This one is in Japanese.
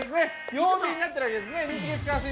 曜日になっているわけですね。